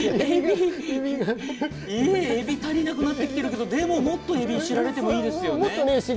えエビ足りなくなってきてるけどでももっとエビ知られてもいいですよね。